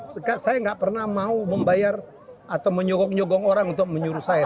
saya enggak pernah mau membayar atau menyokong nyokong orang untuk menyuruh saya